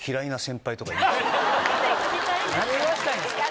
何が言わしたいんすか？